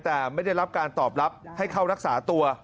แต่ไม่ได้รับการตอบรับให้เข้ารักษาตัว